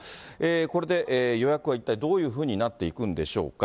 これで予約は一体どういうふうになっていくんでしょうか。